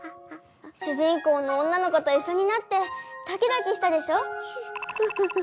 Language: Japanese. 主人公の女の子といっしょになってドキドキしたでしょ？